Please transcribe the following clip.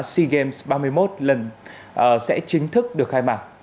sea games ba mươi một lần sẽ chính thức được khai mạc